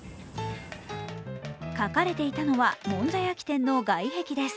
描かれていたのは、もんじゃ焼き店の外壁です。